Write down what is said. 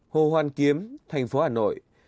hồ hoan kiếm thành phố hà nội